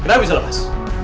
kenapa bisa lepas